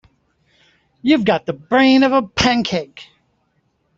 You've got the brain of a pancake.